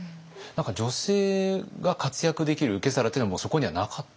女性が活躍できる受け皿というのはもうそこにはなかった？